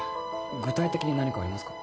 具体的に何かありますか？